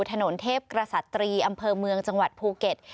ถนนเทพกษัตรีอำเภอเมืองจังหวัดภูเก็ต